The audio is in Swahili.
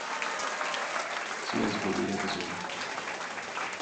Siwezi kuogelea vizuri